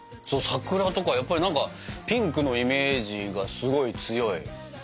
そうさくらとかやっぱり何かピンクのイメージがすごい強い。